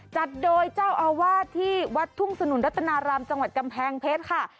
จัดโดยเจ้าอาวาสที่วัดทุ่งสนุนรัตนารามจังหวัดกำแพงเพชรค่ะ